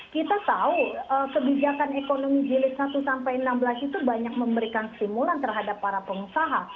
kita tahu kebijakan ekonomi jilid satu sampai enam belas itu banyak memberikan simulan terhadap para pengusaha